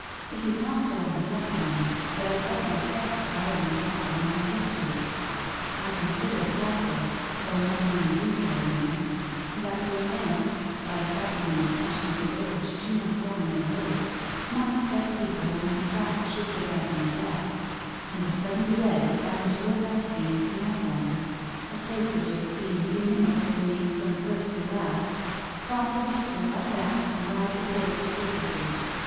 It was not till I had left the man that I saw the effect the fire might have on my history. I considered also, though not in any detailed manner, that the event, by attracting the attention of the village to my former abode, might set people on my track should they doubt my death, and a sudden dread of having to go back again to Knapwater a place which had seemed inimical to me from first to last prompted me to run back and bribe the porter to secrecy.